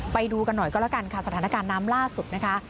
ไปดูกันหน่อยก็แล้วกันค่ะสถานการณ์น้ำล่าสุดนะคะ